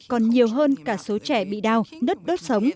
còn nhiều hơn cả số trẻ bị đau nứt đốt sống